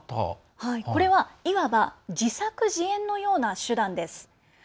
これは、いわば自作自演のような手段です。